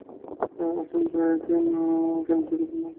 স্টর্মব্রেকারকে কেন ছুঁড়ে ফেলে দিলে বলবে?